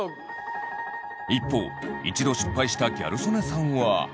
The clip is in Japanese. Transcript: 一方一度失敗したギャル曽根さんは。